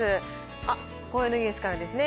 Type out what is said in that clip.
あっ、紅葉のニュースからですね。